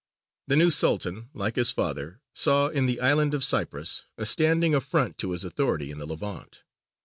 The new Sultan, like his father, saw in the island of Cyprus a standing affront to his authority in the Levant.